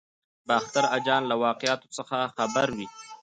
باختر اجان له واقعاتو څخه خبر وي.